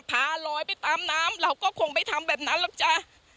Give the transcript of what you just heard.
พาลอยไปตามน้ำเราก็คงไม่ทำแบบนั้นหรอกจ้า